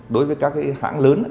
đối với các cái hãng lớn á